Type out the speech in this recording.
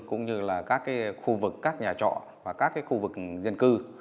cũng như là các cái khu vực các nhà trọ và các cái khu vực dân cư